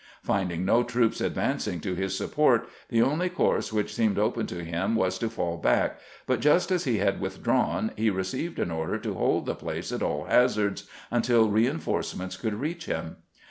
Finding no troops advancing to his support, the only course which seemed open to him was to f aU back ; but just as he had withdrawn he received an order to hold the place at all hazards until reinforcements could reach him.